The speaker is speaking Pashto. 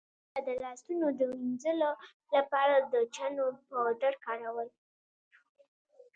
دوی به د لاسونو د وینځلو لپاره د چنو پاوډر کارول.